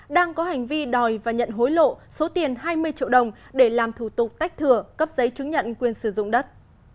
đang có hành vi đòi và nhận hối lộ số tiền hai mươi triệu đồng để làm thủ tục tách thừa cấp giấy chứng nhận quyền sử dụng đất